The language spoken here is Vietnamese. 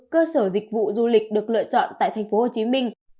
cơ sở dịch vụ du lịch được lựa chọn tại tp hcm